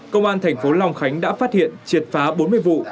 công an thành phố long khánh đã phát hiện triệt phá bốn mươi vụ